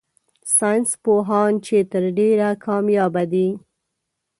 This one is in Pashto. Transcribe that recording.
ساينس پوهان چي تر ډېره کاميابه دي